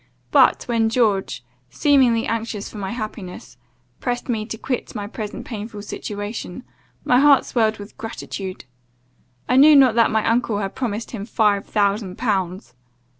But, when George, seemingly anxious for my happiness, pressed me to quit my present painful situation, my heart swelled with gratitude I knew not that my uncle had promised him five thousand pounds.